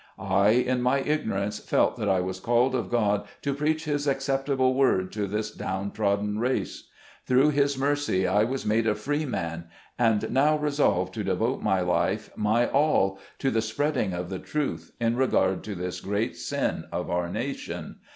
I, in my ignorance, felt that I was called of God to preach His accept able word to this down trodden race. Through his mercy, I was made a free man, and now resolve to devote my life, my all, to the spreading of the truth in regard to this great sin of our nation.